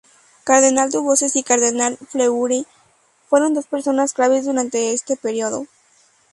Cardenal Dubois y Cardenal Fleury fueron dos personas claves durante este periodo.